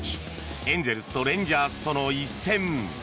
エンゼルスとレンジャーズとの一戦。